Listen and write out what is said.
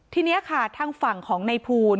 ทีนี้ค่ะทางฝั่งของในภูล